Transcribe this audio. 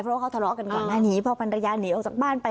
เพราะว่าเขาทะเลาะกันก่อนนะหนีพอปัญญาหนีออกจากบ้านไป